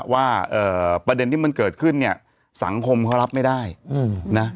ว่าประเด็นที่มันเกิดขึ้นเนี่ยสังคมเขารับไม่ได้นะ